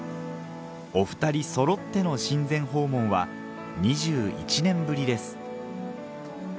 お二人そろっての親善訪問は２１年ぶりです